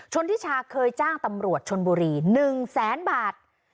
ทิชาเคยจ้างตำรวจชนบุรี๑แสนบาท